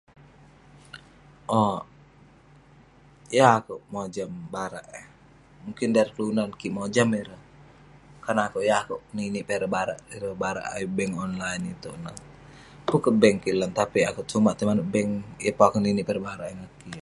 Owk, yeng akouk mojam barak eh. Mungkin dan ireh kelunan kik, mojam ireh. Kan akouk yeng akouk ngeninik piak ireh barak. Ireh barak ayuk bank online itouk ineh. Pun kek bank kik lan, tapik akouk sumak tai manouk bank. Yeng pun akouk ninik piak ireh barak eh ngan kik.